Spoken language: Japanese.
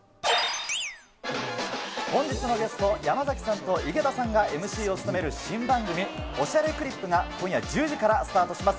本日のゲスト、山崎さんと井桁さんがＭＣを務める新番組、おしゃれクリップが、今夜１０時からスタートします。